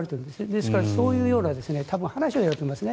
ですから、そういうような多分話はあると思います。